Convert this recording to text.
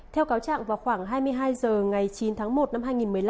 theo cáo trạng vào khoảng hai mươi hai h ngày chín tháng một năm hai nghìn một mươi năm